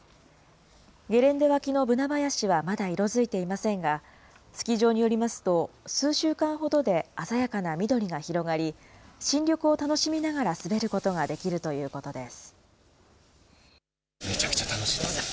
ゲレンデ脇のブナ林はまだ色づいていませんが、スキー場によりますと、数週間ほどで鮮やかな緑が広がり、新緑を楽しみながら滑ることができるということです。